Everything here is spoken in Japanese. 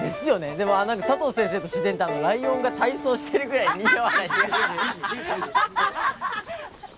でもなんか佐藤先生と自然ってライオンが体操してるぐらい似合わない気が。